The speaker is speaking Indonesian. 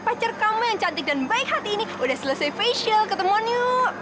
pacar kamu yang cantik dan baik hati ini udah selesai facial ketemuan yuk